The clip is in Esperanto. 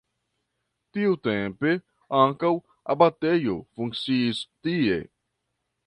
Tiutempe ankaŭ abatejo funkciis tie.